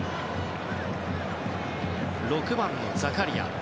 ６番のザカリア。